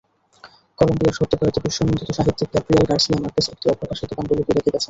কলম্বিয়ার সদ্যপ্রয়াত বিশ্বনন্দিত সাহিত্যিক Gabriel Garcia Marquez একটি অপ্রকাশিত পাণ্ডুলিপি রেখে গেছেন।